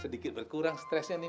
sedikit berkurang stresnya nih